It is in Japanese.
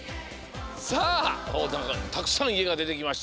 さあたくさん「いえ」がでてきました。